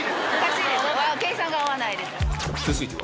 続いては